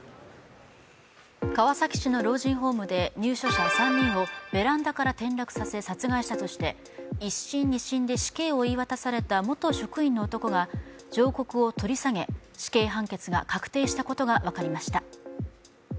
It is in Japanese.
川崎市の老人ホームで入居者３人をベランダから転落させ殺害したとして１審、２審で死刑を言い渡された元職員の男が上告を取り下げ、死刑判決が確定したことが分かりました。